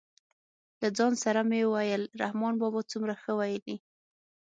له ځان سره مې ویل رحمان بابا څومره ښه ویلي.